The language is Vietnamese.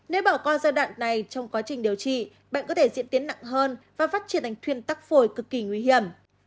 nếu bỏ qua giai đoạn này trong quá trình điều trị bệnh có thể diễn tiến nặng hơn và phát triển thành thuyên tắc phổi cực kỳ nguy hiểm